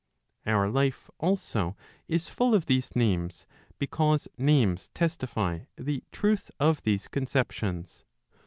Our life also is full of these names, because names testify the truth of these conceptions.